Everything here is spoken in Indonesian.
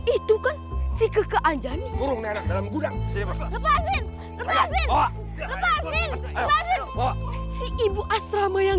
itu kan si keke anjani kurung dalam gudang lepas lepas lepas lepas lepas ibu asrama yang